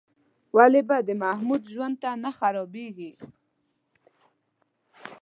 ولې به د محمود ژوند نه خرابېږي؟